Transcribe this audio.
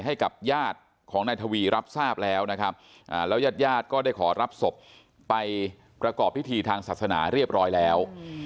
ให้กับญาติของนายทวีรับทราบแล้วนะครับแล้วยาดก็ได้ขอรับศพไปประกอบพิธีทางศาสนาเรียบร้อยแล้ว